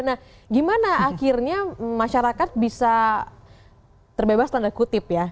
nah gimana akhirnya masyarakat bisa terbebas tanda kutip ya